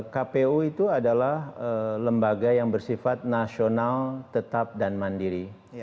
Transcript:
kpu itu adalah lembaga yang bersifat nasional tetap dan mandiri